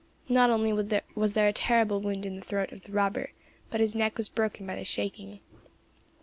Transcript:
Not only was there a terrible wound in the throat of the robber, but his neck was broken by the shaking.